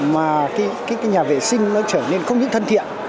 mà cái nhà vệ sinh nó trở nên không những thân thiện